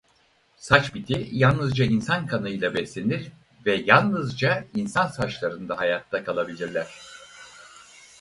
Saç biti yalnızca insan kanıyla beslenir ve yalnızca insan saçlarında hayatta kalabilirler.